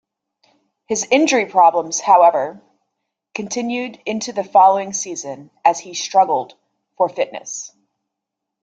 His injury problems, however, continued into the following season as he struggled for fitness.